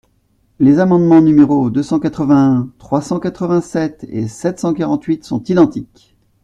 Les amendements numéros deux cent quatre-vingt-un, trois cent quatre-vingt-sept et sept cent quarante-huit sont identiques.